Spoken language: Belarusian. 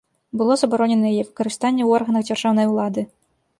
Было забароненае яе выкарыстанне ў органах дзяржаўнай улады.